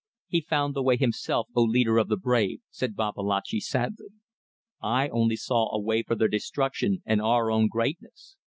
"He found the way himself, O Leader of the brave," said Babalatchi, sadly. "I only saw a way for their destruction and our own greatness.